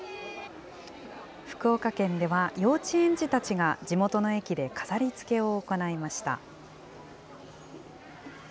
福岡県では、幼稚園児たちが地元の駅で飾りつけを行いました。